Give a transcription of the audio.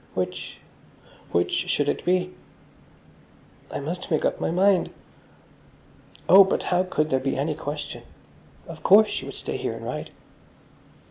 Which, which should it be? "I must make up my mind." Oh, but how could there be any question? Of course she would stay here and write.